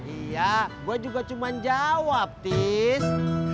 iya gue juga cuma jawab tis